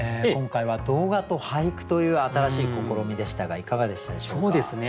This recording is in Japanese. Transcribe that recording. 今回は動画と俳句という新しい試みでしたがいかがでしたでしょうか？